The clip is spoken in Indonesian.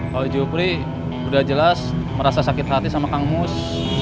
kalau jupri udah jelas merasa sakit hati sama kang mus